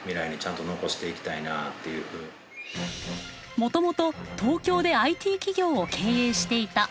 もともと東京でＩＴ企業を経営していた吉田さん。